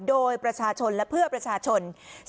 โดยประชาชนและเพื่อประชาชน